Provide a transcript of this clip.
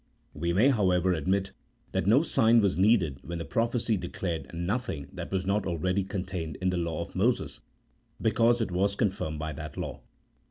We may, however, admit that no sign was needed when the prophecy declared nothing that was not already contained in the law of Moses, because it was confirmed by that law.